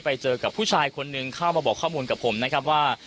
ไปเจอกับผู้ชายคนนึงเข้ามาบอกข้อมูลกับผมนะครับว่า